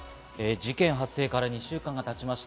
事件発生から２週間が経ちました。